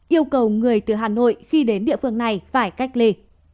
yêu cầu người từ hà nội khi đến địa phương này phải cách ly